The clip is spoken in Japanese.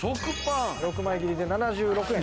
６枚切りで７６円。